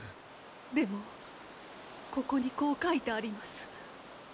でもここにこう書いてあります。